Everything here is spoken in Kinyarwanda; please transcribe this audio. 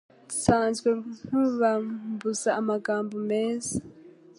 Nsanzwe nkubambuza amagambo meza